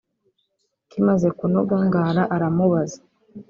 kimaze kunoga Ngara aramubaza